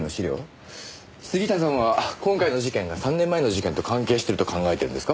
杉下さんは今回の事件が３年前の事件と関係してると考えてるんですか？